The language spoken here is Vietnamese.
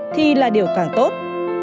thì là điều càng tốt